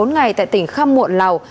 một mươi bốn ngày tại tỉnh kham muộn lào